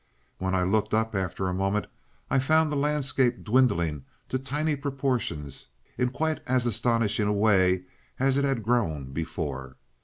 When I looked up after a moment, I found the landscape dwindling to tiny proportions in quite as astonishing a way as it had grown before.